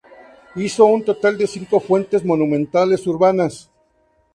Hizo en total cinco fuentes monumentales urbanas.